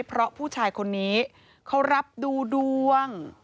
เพราะผู้ชายคนนี้เขารับดูดวง